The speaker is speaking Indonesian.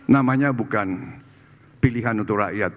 namanya bukan pilihan untuk rakyat